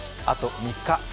あと３日。